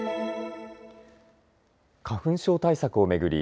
花粉症対策を巡り